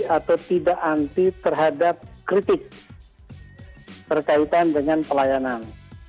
atau tidak anti terhadap kritik berkaitan dengan pelayanan